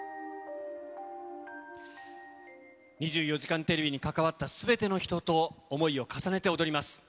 ２４時間テレビに関わったすべての人と、想いを重ねて踊ります。